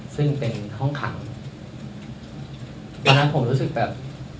ซึ่งเป็นห้องขังตอนนั้นผมรู้สึกแบบ